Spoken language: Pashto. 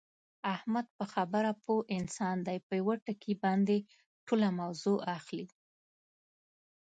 احمد په خبره پوه انسان دی، په یوه ټکي باندې ټوله موضع اخلي.